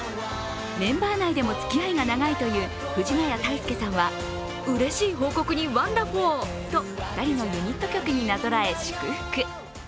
メンバー内でも付き合いが長いという藤ヶ谷太輔さんは、うれしい報告にワンダフォー！と２人のユニット曲になぞらえ祝福。